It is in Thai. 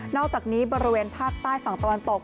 อกจากนี้บริเวณภาคใต้ฝั่งตะวันตก